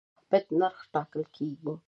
د بهرنیو اسعارو سره یو ثابت نرخ ټاکل کېږي.